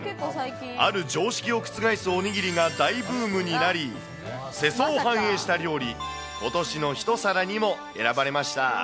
ある常識を覆すおにぎりが大ブームになり、世相を反映した料理、今年の一皿にも選ばれました。